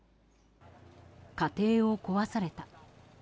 家庭を壊された。